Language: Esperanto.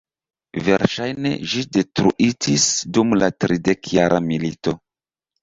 Verŝajne ĝi detruitis dum la Tridekjara milito.